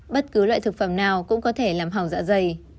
bất cứ loại thực phẩm nào cũng có thể làm hỏng dạ dày